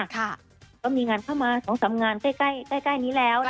ค่ะก็มีงานเข้ามาสองสามงานใกล้ใกล้ใกล้นี้แล้วนะคะ